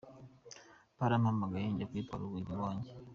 Barampamagaye njya kuyitwara ubu iri iwanjye.